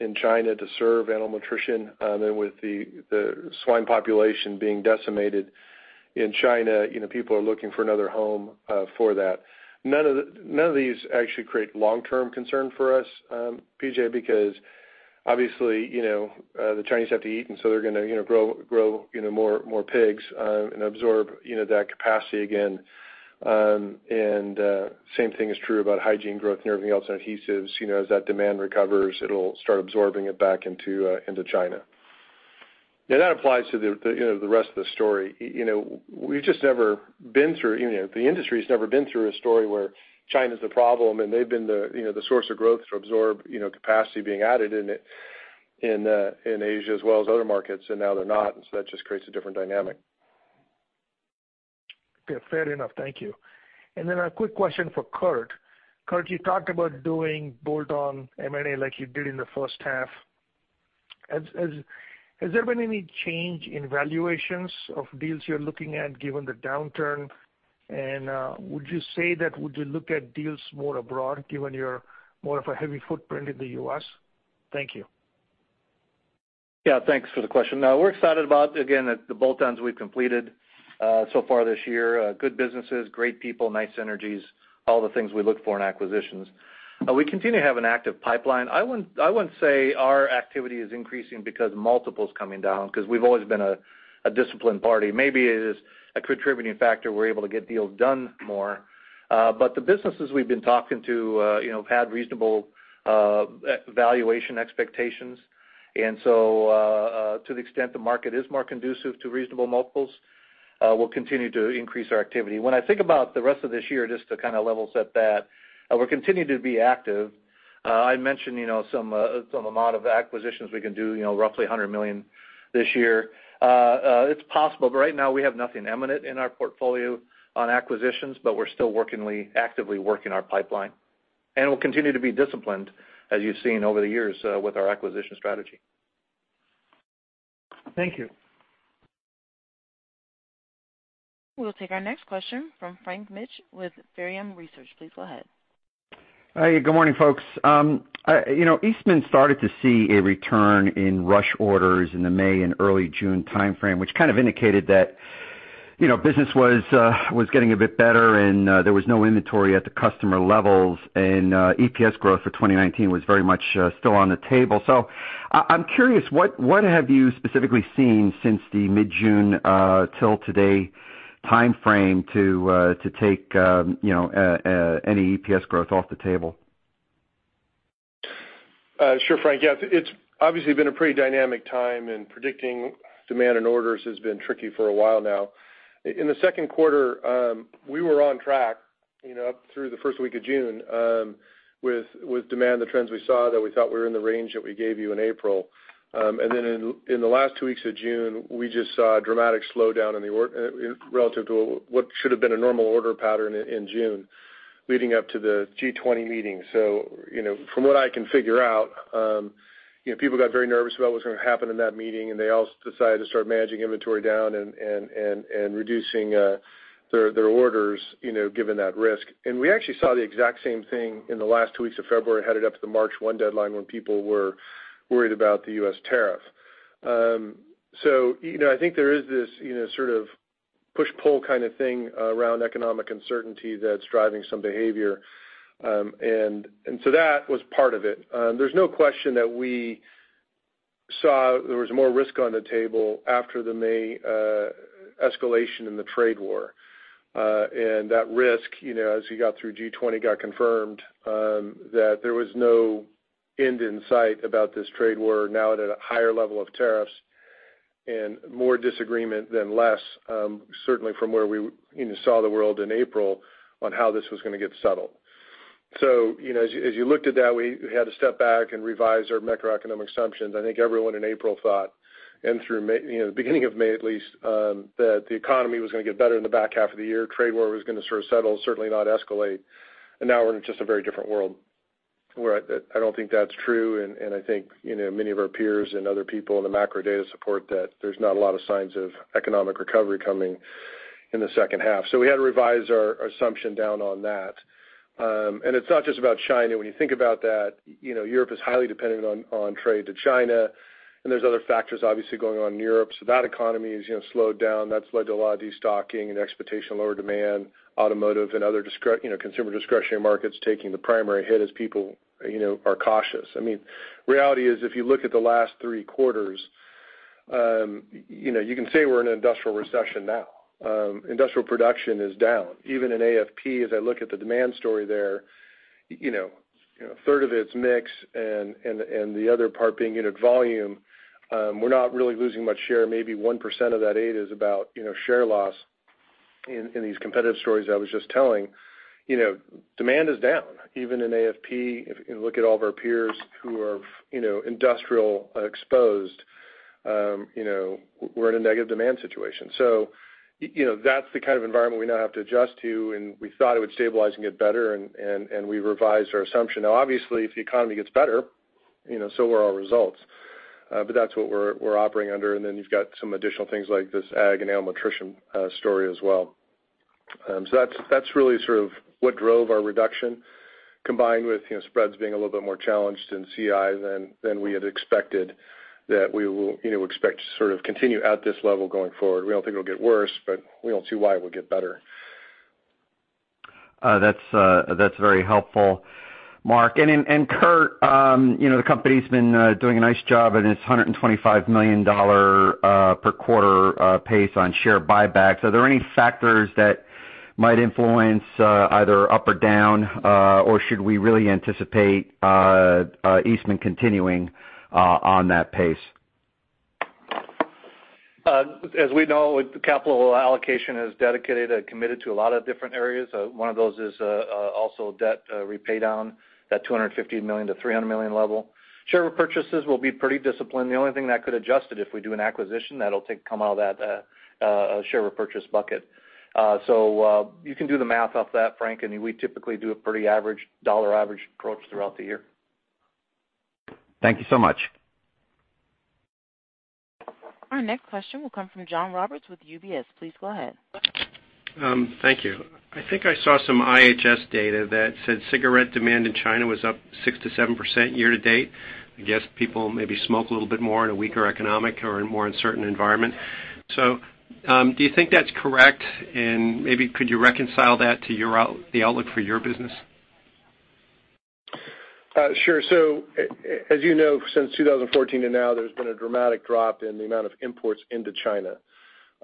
in China to serve animal nutrition. With the swine population being decimated in China, people are looking for another home for that. None of these actually create long-term concern for us, P.J., because obviously, the Chinese have to eat, and so they're going to grow more pigs and absorb that capacity again. Same thing is true about hygiene growth and everything else in adhesives. As that demand recovers, it'll start absorbing it back into China. That applies to the rest of the story. The industry has never been through a story where China's the problem, and they've been the source of growth to absorb capacity being added in Asia as well as other markets, and now they're not. That just creates a different dynamic. Okay. Fair enough. Thank you. A quick question for Curtis. Curtis, you talked about doing bolt-on M&A like you did in the first half. Has there been any change in valuations of deals you're looking at given the downturn? Would you look at deals more abroad given your more of a heavy footprint in the U.S.? Thank you. Yeah, thanks for the question. No, we're excited about, again, the bolt-ons we've completed so far this year. Good businesses, great people, nice synergies, all the things we look for in acquisitions. We continue to have an active pipeline. I wouldn't say our activity is increasing because multiple's coming down, because we've always been a disciplined party. Maybe it is a contributing factor, we're able to get deals done more. The businesses we've been talking to have had reasonable valuation expectations. To the extent the market is more conducive to reasonable multiples, we'll continue to increase our activity. When I think about the rest of this year, just to kind of level set that, we're continuing to be active. I mentioned some amount of acquisitions we can do, roughly $100 million this year. It's possible, but right now we have nothing imminent in our portfolio on acquisitions, but we're still actively working our pipeline. We'll continue to be disciplined, as you've seen over the years, with our acquisition strategy. Thank you. We'll take our next question from Frank Mitsch with Fermium Research. Please go ahead. Hi, good morning, folks. Eastman started to see a return in rush orders in the May and early June timeframe, which kind of indicated that business was getting a bit better, and there was no inventory at the customer levels, and EPS growth for 2019 was very much still on the table. I'm curious, what have you specifically seen since the mid-June till today timeframe to take any EPS growth off the table? Sure, Frank. It's obviously been a pretty dynamic time. Predicting demand and orders has been tricky for a while now. In the second quarter, we were on track up through the first week of June with demand, the trends we saw that we thought we were in the range that we gave you in April. Then in the last two weeks of June, we just saw a dramatic slowdown relative to what should have been a normal order pattern in June, leading up to the G20 meeting. From what I can figure out, people got very nervous about what was going to happen in that meeting, and they all decided to start managing inventory down and reducing their orders given that risk. We actually saw the exact same thing in the last two weeks of February headed up to the March 1 deadline when people were worried about the U.S. tariff. I think there is this sort of push-pull kind of thing around economic uncertainty that's driving some behavior. That was part of it. There's no question that we saw there was more risk on the table after the May escalation in the trade war. That risk, as you got through G20, got confirmed, that there was no end in sight about this trade war, now that at a higher level of tariffs, and more disagreement than less, certainly from where we saw the world in April, on how this was going to get settled. As you looked at that, we had to step back and revise our macroeconomic assumptions. I think everyone in April thought, and through the beginning of May at least, that the economy was going to get better in the back half of the year. Trade war was going to sort of settle, certainly not escalate. Now we're in just a very different world, where I don't think that's true. I think, many of our peers and other people in the macro data support that there's not a lot of signs of economic recovery coming in the second half. We had to revise our assumption down on that. It's not just about China. When you think about that, Europe is highly dependent on trade to China, and there's other factors obviously going on in Europe. That economy has slowed down. That's led to a lot of de-stocking and expectation of lower demand, automotive and other consumer discretionary markets taking the primary hit as people are cautious. Reality is, if you look at the last three quarters, you can say we're in an industrial recession now. Industrial production is down, even in AFP, as I look at the demand story there, a 1/3 of it's mix and the other part being unit volume. We're not really losing much share. Maybe 1% of that eight is about share loss in these competitive stories I was just telling. Demand is down. Even in AFP, if you look at all of our peers who are industrial exposed, we're in a negative demand situation. That's the kind of environment we now have to adjust to, and we thought it would stabilize and get better, and we revised our assumption. Now, obviously, if the economy gets better, so will our results. That's what we're operating under, and then you've got some additional things like this ag and animal nutrition story as well. That's really sort of what drove our reduction, combined with spreads being a little bit more challenged in CI than we had expected, that we will expect to sort of continue at this level going forward. We don't think it'll get worse, but we don't see why it would get better. That's very helpful, Mark. Curtis, the company's been doing a nice job in its $125 million per quarter pace on share buybacks. Are there any factors that might influence either up or down, or should we really anticipate Eastman continuing on that pace? As we know, capital allocation is dedicated and committed to a lot of different areas. One of those is also debt repay down, that $250 million-$300 million level. Share purchases will be pretty disciplined. The only thing that could adjust it, if we do an acquisition, that'll come out of that share repurchase bucket. You can do the math off that, Frank, and we typically do a pretty dollar average approach throughout the year. Thank you so much. Our next question will come from John Roberts with UBS. Please go ahead. Thank you. I think I saw some IHS data that said cigarette demand in China was up 6%-7% year to date. I guess people maybe smoke a little bit more in a weaker economic or a more uncertain environment. Do you think that's correct? Maybe could you reconcile that to the outlook for your business? Sure. As you know, since 2014 to now, there's been a dramatic drop in the amount of imports into China.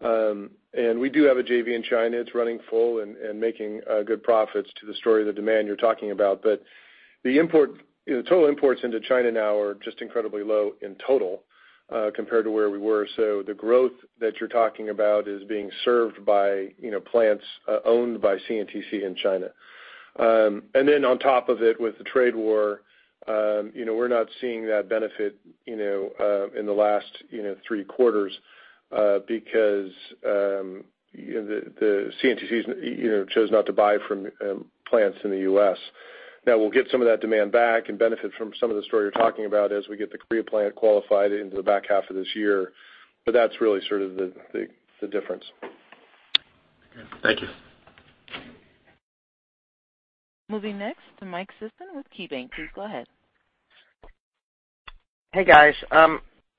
We do have a JV in China. It's running full and making good profits to the story of the demand you're talking about. The total imports into China now are just incredibly low in total, compared to where we were. The growth that you're talking about is being served by plants owned by CNTC in China. On top of it, with the trade war, we're not seeing that benefit in the last three quarters because the CNTCs chose not to buy from plants in the U.S. We'll get some of that demand back and benefit from some of the story you're talking about as we get the Korea plant qualified into the back half of this year. That's really sort of the difference. Okay, thank you. Moving next to Mike Sison with KeyBanc. Please go ahead. Hey, guys.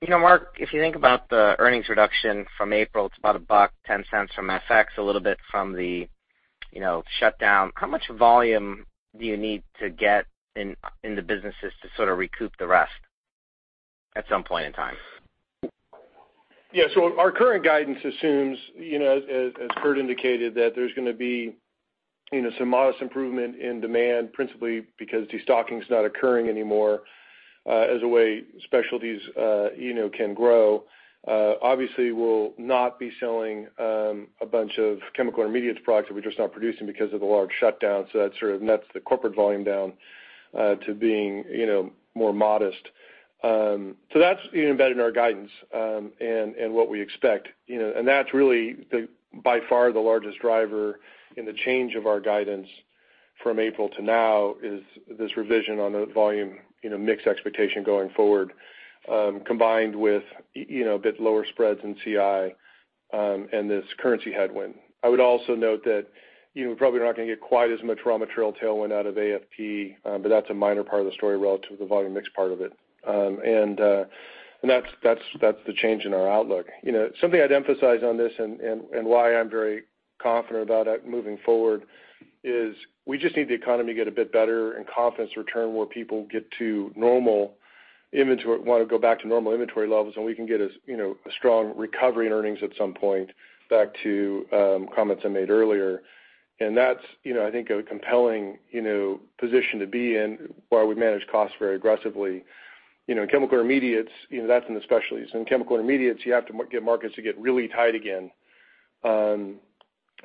Mark, if you think about the earnings reduction from April, it's about $1.00, $0.10 from FX, a little bit from the shutdown. How much volume do you need to get in the businesses to sort of recoup the rest at some point in time? Yeah. Our current guidance assumes, as Curtis indicated, that there's going to be some modest improvement in demand, principally because de-stocking is not occurring anymore, as a way specialties can grow. Obviously, we'll not be selling a bunch of Chemical Intermediates products that we're just not producing because of the large shutdown. That sort of nuts the corporate volume down to being more modest. That's embedded in our guidance, and what we expect. That's really by far the largest driver in the change of our guidance from April to now, is this revision on the volume mix expectation going forward, combined with a bit lower spreads in CI, and this currency headwind. I would also note that you probably are not going to get quite as much raw material tailwind out of AFP, but that's a minor part of the story relative to the volume mix part of it. That's the change in our outlook. Something I'd emphasize on this and why I'm very confident about it moving forward is we just need the economy to get a bit better and confidence return, where people get to normal image, want to go back to normal inventory levels, and we can get a strong recovery in earnings at some point. Back to comments I made earlier, and that's I think a compelling position to be in while we manage costs very aggressively. In Chemical Intermediates, that's in the specialties. In Chemical Intermediates, you have to get markets to get really tight again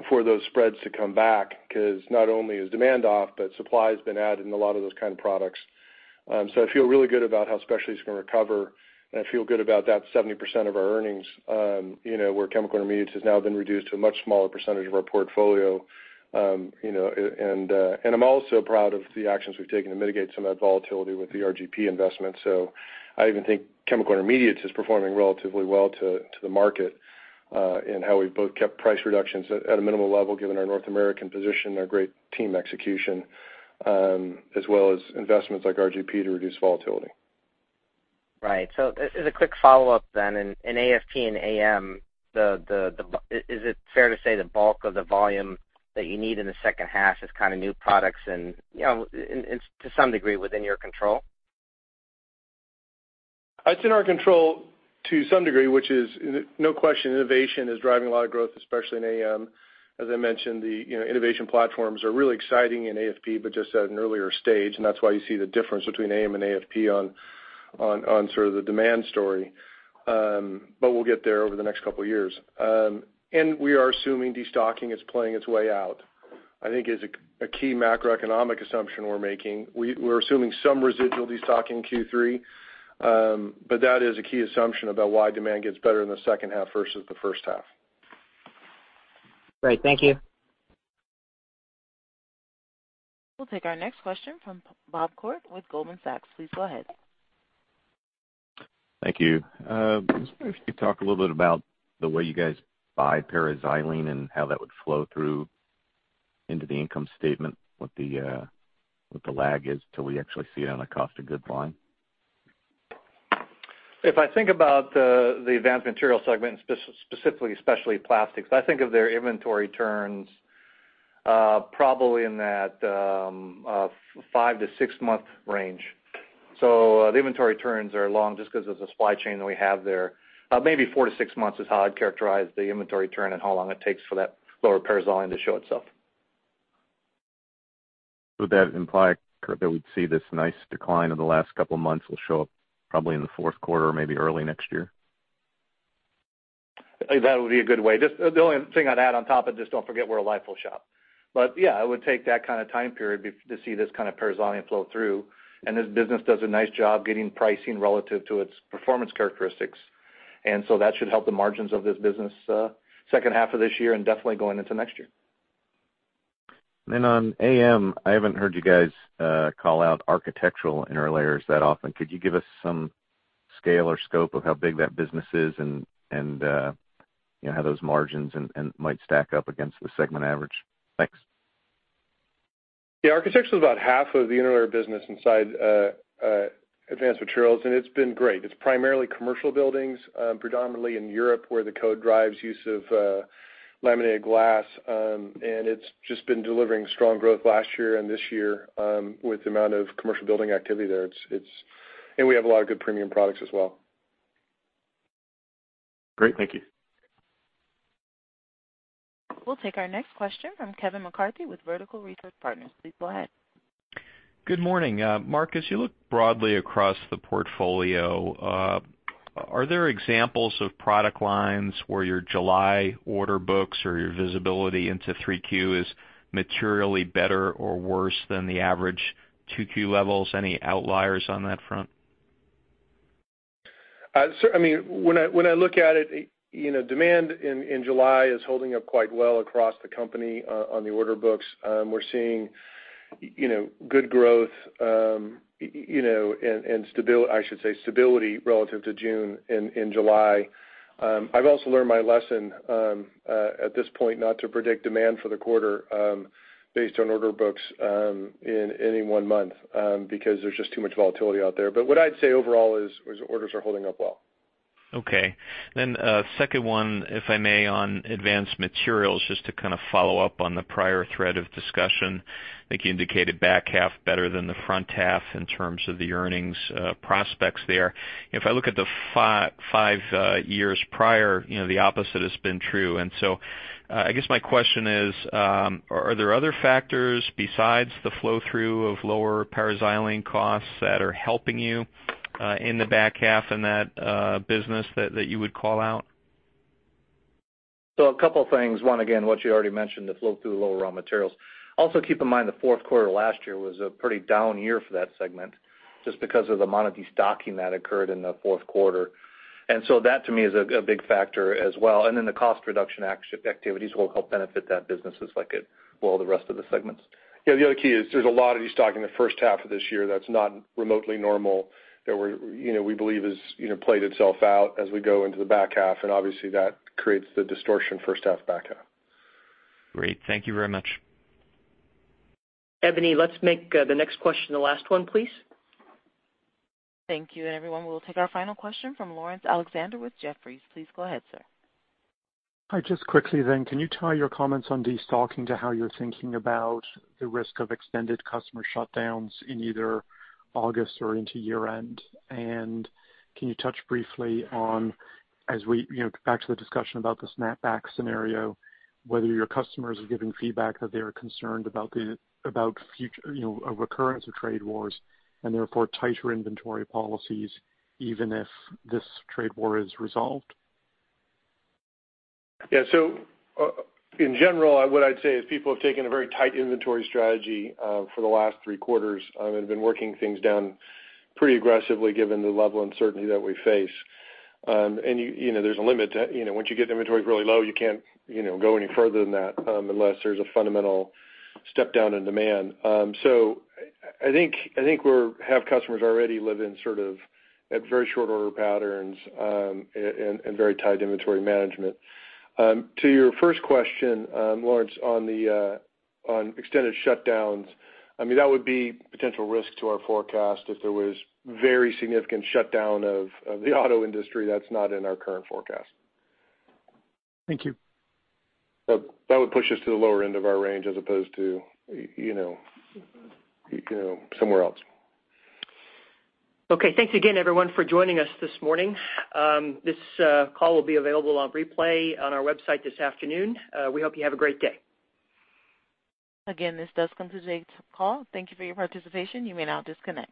for those spreads to come back, because not only is demand off, but supply has been added in a lot of those kind of products. I feel really good about how specialties is going to recover, and I feel good about that 70% of our earnings where Chemical Intermediates has now been reduced to a much smaller percentage of our portfolio. I'm also proud of the actions we've taken to mitigate some of that volatility with the RGP investment. I even think Chemical Intermediates is performing relatively well to the market in how we've both kept price reductions at a minimal level, given our North American position, our great team execution, as well as investments like RGP to reduce volatility. Right. As a quick follow-up, in AFP and AM, is it fair to say the bulk of the volume that you need in the second half is new products and to some degree within your control? It's in our control to some degree, which is no question, innovation is driving a lot of growth, especially in AM. As I mentioned, the innovation platforms are really exciting in AFP, but just at an earlier stage, and that's why you see the difference between AM and AFP on sort of the demand story. We'll get there over the next couple of years. We are assuming de-stocking is playing its way out, I think is a key macroeconomic assumption we're making. We're assuming some residual de-stocking in Q3, but that is a key assumption about why demand gets better in the second half versus the first half. Great. Thank you. We'll take our next question from Bob Koort with Goldman Sachs. Please go ahead. Thank you. I was wondering if you could talk a little bit about the way you guys buy paraxylene and how that would flow through into the income statement, what the lag is till we actually see it on a cost of goods line. If I think about the Advanced Materials segment specifically, specialty plastics, I think of their inventory turns probably in that five to six-month range. The inventory turns are long just because of the supply chain that we have there. Maybe four to six months is how I'd characterize the inventory turn and how long it takes for that lower paraxylene to show itself. Would that imply that we'd see this nice decline in the last couple of months will show up probably in the fourth quarter or maybe early next year? That would be a good way. The only thing I'd add on top of just don't forget we're a LIFO shop. Yeah, it would take that kind of time period to see this kind of paraxylene flow through, and this business does a nice job getting pricing relative to its performance characteristics. That should help the margins of this business second half of this year and definitely going into next year. On AM, I haven't heard you guys call out architectural interlayers that often. Could you give us some scale or scope of how big that business is and how those margins might stack up against the segment average? Thanks. Architecture is about half of the interlayer business inside Advanced Materials. It's been great. It's primarily commercial buildings, predominantly in Europe, where the code drives use of laminated glass. It's just been delivering strong growth last year and this year with the amount of commercial building activity there. We have a lot of good premium products as well. Great. Thank you. We'll take our next question from Kevin McCarthy with Vertical Research Partners. Please go ahead. Good morning. Mark, as you look broadly across the portfolio, are there examples of product lines where your July order books or your visibility into 3Q is materially better or worse than the average 2Q levels? Any outliers on that front? When I look at it, demand in July is holding up quite well across the company on the order books. We're seeing good growth and I should say stability relative to June and July. I've also learned my lesson at this point, not to predict demand for the quarter based on order books in any one month because there's just too much volatility out there. What I'd say overall is orders are holding up well. Okay. A second one, if I may, on Advanced Materials, just to kind of follow up on the prior thread of discussion. I think you indicated back half better than the front half in terms of the earnings prospects there. If I look at the five years prior, the opposite has been true. I guess my question is, are there other factors besides the flow-through of lower paraxylene costs that are helping you in the back half in that business that you would call out? A couple of things. One, again, what you already mentioned, the flow through the lower raw materials. Keep in mind, the fourth quarter last year was a pretty down year for that segment just because of the amount of de-stocking that occurred in the fourth quarter. That to me is a big factor as well. The cost reduction activities will help benefit that business as well, the rest of the segments. The other key is there's a lot of de-stocking in the first half of this year that's not remotely normal, that we believe has played itself out as we go into the back half, and obviously that creates the distortion first half, back half. Great. Thank you very much. Ebony, let's make the next question the last one, please. Thank you, everyone. We'll take our final question from Laurence Alexander with Jefferies. Please go ahead, sir. Hi, just quickly, can you tie your comments on destocking to how you're thinking about the risk of extended customer shutdowns in either August or into year-end? Can you touch briefly on, back to the discussion about the snapback scenario, whether your customers are giving feedback that they are concerned about a recurrence of trade wars and therefore tighter inventory policies, even if this trade war is resolved? Yeah. In general, what I'd say is people have taken a very tight inventory strategy for the last three quarters and have been working things down pretty aggressively given the level of uncertainty that we face. There's a limit. Once you get inventories really low, you can't go any further than that, unless there's a fundamental step down in demand. I think we have customers already live in sort of very short order patterns and very tight inventory management. To your first question, Laurence, on extended shutdowns, that would be potential risk to our forecast if there was very significant shutdown of the auto industry. That's not in our current forecast. Thank you. That would push us to the lower end of our range as opposed to somewhere else. Okay. Thanks again, everyone, for joining us this morning. This call will be available on replay on our website this afternoon. We hope you have a great day. Again, this does conclude today's call. Thank you for your participation. You may now disconnect.